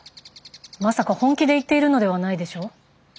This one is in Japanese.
まさか本気で言っているのではないでしょう？